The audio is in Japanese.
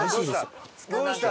どうした？